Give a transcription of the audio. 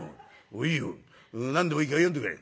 いいよ何でもいいから読んでくれ」。